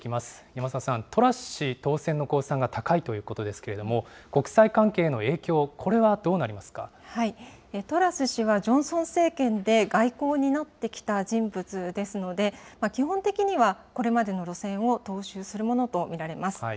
山澤さん、トラス氏当選の公算が高いということですけれども、国際関係へのトラス氏はジョンソン政権で、外交を担ってきた人物ですので、基本的にはこれまでの路線を踏襲するものと見られます。